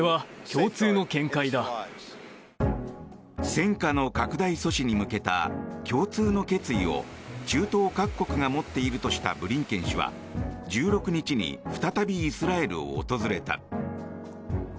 戦火の拡大阻止に向けた共通の決意を中東各国が持っているとしたブリンケン氏は１６日に再びイスラエルを訪れた。